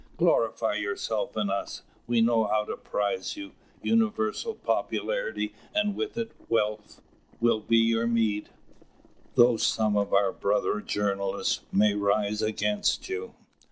"Glorify yourself and us. We know how to prize you. Universal popularity, and with it wealth, will be your meed, though some of our brother journalists may rise against you."